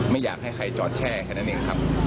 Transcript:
ไม่อยากให้ใครจอดแช่แค่นั้นเองครับ